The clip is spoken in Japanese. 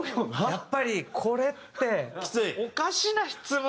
やっぱりこれっておかしな質問だなって。